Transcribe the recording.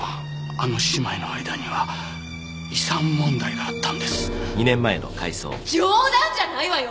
あの姉妹の間には遺産問題があったんです冗談じゃないわよ！